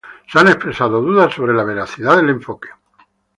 Se han expresado dudas sobre la veracidad del enfoque.